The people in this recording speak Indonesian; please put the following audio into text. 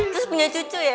terus punya cucu ya